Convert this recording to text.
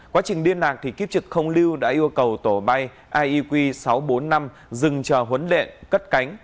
quá trình liên lạc thì kiếp trực không lưu đã yêu cầu tổ bay ieq sáu trăm bốn mươi năm dừng chờ huấn luyện cất cánh